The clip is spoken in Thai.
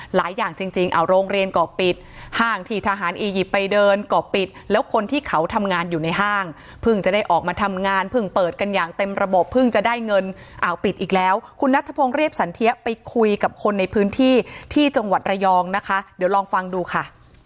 หลายอย่างจริงเอาโรงเรียนก่อปิดห้างที่ทหารอียิปต์ไปเดินก่อปิดแล้วคนที่เขาทำงานอยู่ในห้างเพิ่งจะได้ออกมาทำงานเพิ่งเปิดกันอย่างเต็มระบบเพิ่งจะได้เงินอ้าวปิดอีกแล้วคุณนัทพงศ์เรียบสันเทียไปคุยกับคนในพื้นที่ที่จังหวัดระยองนะคะเดี๋ยวลองฟังดูค่ะ